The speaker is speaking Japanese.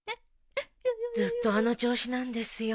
ずっとあの調子なんですよ。